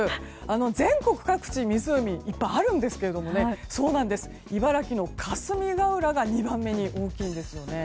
全国各地湖はいっぱいあるんですけども茨城の霞ケ浦が２番目に大きいんですよね。